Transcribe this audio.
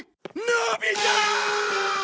のび太ー！